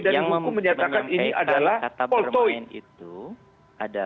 dan hukum menyatakan ini adalah poltoid